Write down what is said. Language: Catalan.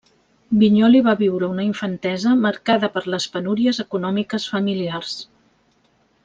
Vinyoli va viure una infantesa marcada per les penúries econòmiques familiars.